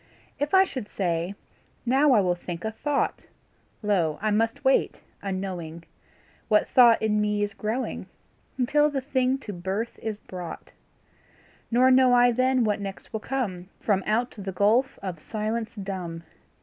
If I should say: Now I will think a thought, Lo! I must wait, unknowing, What thought in me is growing, Until the thing to birth is brought; Nor know I then what next will come From out the gulf of silence dumb.